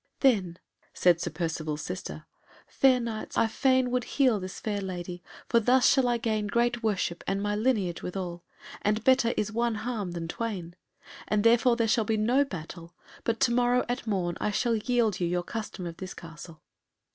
"Then," said Sir Percivale's sister, "fair Knights, I fain would heal this fair lady, for thus shall I gain great worship and my lineage withal, and better is one harm than twain. And therefore there shall be no battle, but to morrow at morn I shall yield you your custom of this castle."